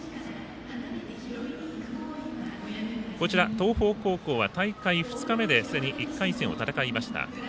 東邦高校は大会２日目ですでに１回戦を戦いました。